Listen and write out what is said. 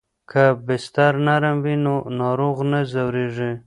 که بستر نرم وي نو ناروغ نه ځورېږي.